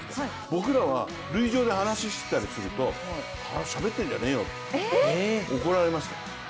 僕らは塁上で話してたりすると、しゃべってんじゃねえよと怒られましたよ。